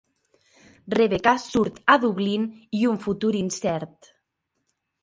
Rebecca surt a Dublín i un futur incert.